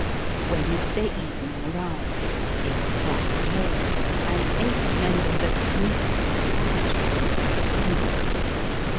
Wednesday evening arrived ; eight o'clock came, and eight members of the committee were punctual in their attendance.